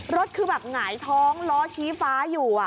รถคือแบบหงายท้องล้อชี้ฟ้าอยู่